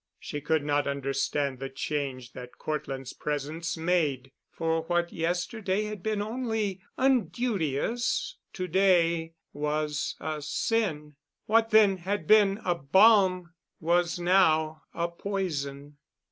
She could not understand the change that Cortland's presence made; for what yesterday had been only unduteous, to day was a sin. What then had been a balm was now a poison.